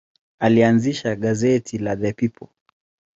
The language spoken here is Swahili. Alianzisha gazeti la The People.